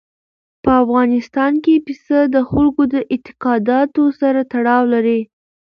په افغانستان کې پسه د خلکو د اعتقاداتو سره تړاو لري.